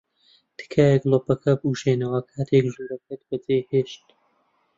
تکایە گڵۆپەکە بکوژێنەوە کاتێک ژوورەکەت بەجێھێشت.